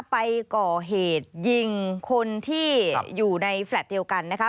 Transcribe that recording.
ไปก่อเหตุยิงคนที่อยู่ในแฟลต์เดียวกันนะคะ